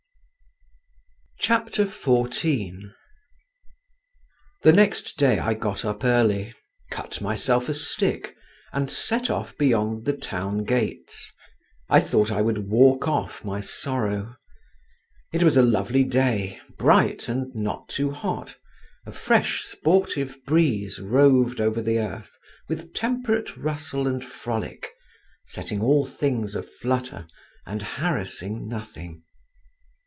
XIV The next day I got up early, cut myself a stick, and set off beyond the town gates. I thought I would walk off my sorrow. It was a lovely day, bright and not too hot, a fresh sportive breeze roved over the earth with temperate rustle and frolic, setting all things a flutter and harassing nothing.